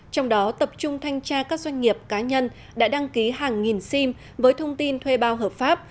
trong đó tập trung thanh tra các doanh nghiệp cá nhân đã đăng ký hàng nghìn sim với thông tin thuê bao hợp pháp